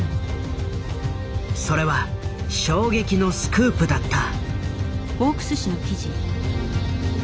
それは衝撃のスクープだった。